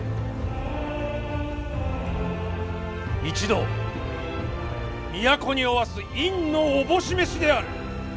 一同都におわす院のおぼし召しである。